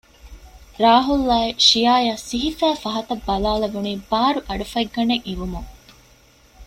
ރާހުލް އާއި ޝިޔާއަށް ސިހިފައި ފަހަތް ބަލާލެވުނީ ބާރު އަޑުފައްގަނޑެއް އިވުމުން